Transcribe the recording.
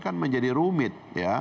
kan menjadi rumit